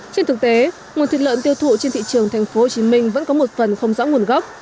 trên thực tế nguồn thịt lợn tiêu thụ trên thị trường thành phố hồ chí minh vẫn có một phần không rõ nguồn gốc